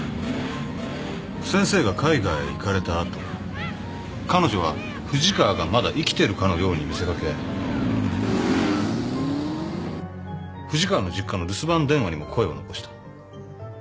先生が海外へ行かれた後彼女は藤川がまだ生きてるかのように見せかけ藤川の実家の留守番電話にも声を残した。